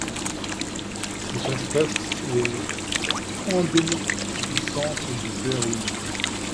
Cette espèce est endémique du Centre du Pérou.